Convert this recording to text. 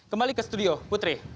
kembali ke studio putri